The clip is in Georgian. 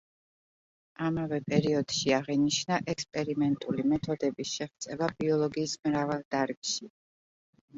ამავე პერიოდში აღინიშნა ექსპერიმენტული მეთოდების შეღწევა ბიოლოგიის მრავალ დარგში.